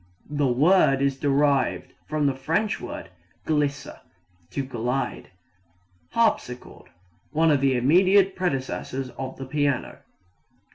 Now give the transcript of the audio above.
The word is derived from the French word glisser to glide. Harpsichord one of the immediate predecessors of the piano.